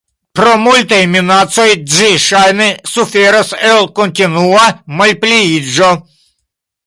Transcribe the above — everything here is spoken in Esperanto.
Pro multaj minacoj ĝi ŝajne suferas el kontinua malpliiĝo.